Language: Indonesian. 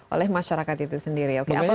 oleh masyarakat itu sendiri